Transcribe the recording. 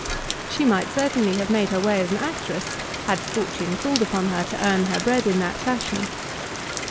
She might certainly have made her way as an actress, had fortune called upon her to earn her bread in that fashion.